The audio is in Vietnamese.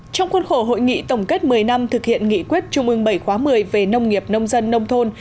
trong khuôn khổ hội nghị tổng kết một mươi năm thực hiện nghị quyết trung ương bảy khóa một mươi về nông nghiệp nông dân nông thôn